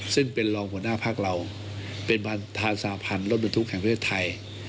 ซึ่งเป็นรองหัวหน้าพักเราเป็นประธานสาพันธ์รถบรรทุกแห่งประเทศไทย